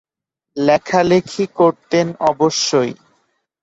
লেখালেখি করতেন অবশ্যই।